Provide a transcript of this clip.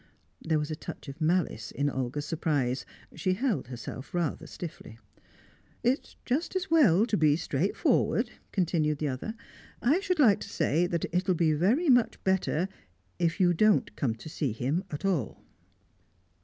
There was a touch of malice in Olga's surprise. She held herself rather stiffly. "It's just as well to be straightforward," continued the other. "I should like to say that it'll be very much better if you don't come to see him at all."